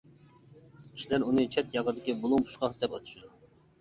كىشىلەر ئۇنى چەت-ياقىدىكى بۇلۇڭ-پۇچقاق دەپ ئاتىشىدۇ.